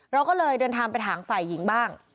เราก็เลยเดินทางไปถามฝ่ายหญิงบ้าง